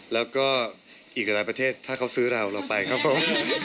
แล้วก็อีกหลายประเทศถ้าเขาซื้อเราเราไปครับผม